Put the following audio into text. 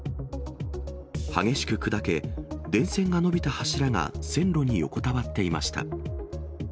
激しく砕け、電線が伸びた柱が線路に横たわっていました。